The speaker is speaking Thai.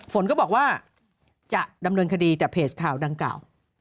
ฝนก็บอกว่าจะดำเนินคดีกับเพจข่าวดังกล่าว